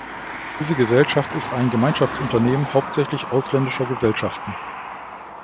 Diese Gesellschaft ist ein Gemeinschaftsunternehmen hauptsächlich ausländischer Gesellschaften.